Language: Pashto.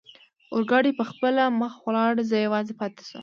اورګاډي پخپله مخه ولاړ، زه یوازې پاتې شوم.